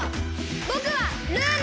ぼくはルーナ！